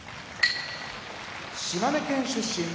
島根県出身